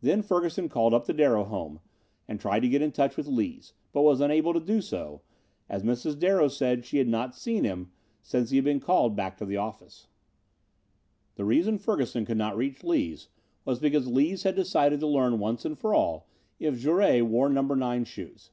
Then Ferguson called up the Darrow home and tried to get in touch with Lees, but was unable to do so, as Mrs. Darrow said she had not seen him since he had been called back to the office. The reason Ferguson could not reach Lees was because Lees had decided to learn once and for all if Jouret wore number nine shoes.